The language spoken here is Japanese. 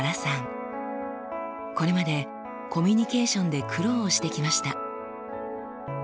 これまでコミュニケーションで苦労をしてきました。